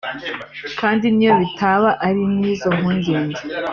Kandi n’iyo bitaba ari n’izo mpungenge